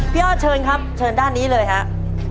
อ้อเชิญครับเชิญด้านนี้เลยครับ